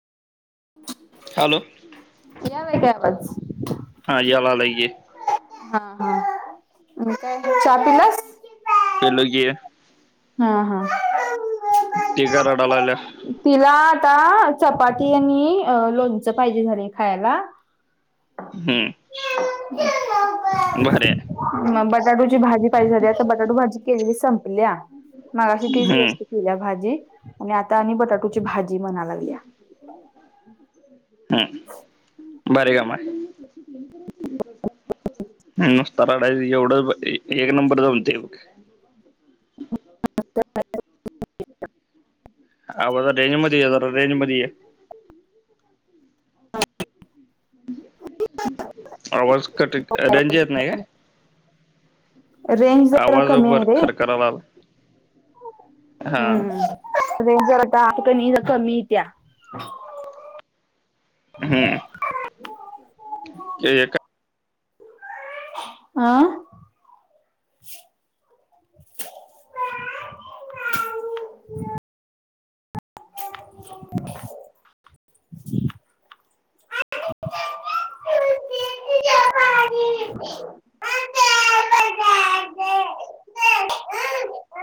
Hello! यालायं काय आवाज? हा यालागलाय घे. हा हा मग काय चहा पिलासं? पिलो की. हा हा. ती का रडा लागल्या? तिला आता चपाती आणि लोणचं पाहिजे झालंय खायला. हम्म! भारी हाय. मग बटाटूची भाजी पाहिजे झाल्या, आता बटाटू भाजी केलेली संपल्या. मगाशी तीच हम्म व्यस्त केल्या भाजी आणि आता आणि बटाटोची भाजी म्हणा लागल्या. ह भारी काम हाय. ह नुसता रडायचं एवढं एक नंबर जमतयं बघं. [unintelligible] आवाज-रेंज मध्ये ये जरा रेंज मध्ये ये. आवाज कट रेंज येत नाही काय? रेंज जरा आवाज कमी हाय बर रे. खरखराला आला हा [unintelligible] हम्म ते एका आं. [unintelligible]